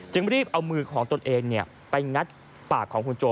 รีบเอามือของตนเองไปงัดปากของคุณโจ